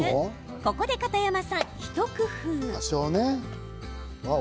ここで片山さん、一工夫。